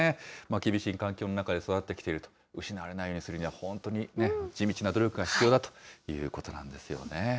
厳しい環境の中で育ってきていると、失われないようにするには、本当に地道な努力が必要だということなんですよね。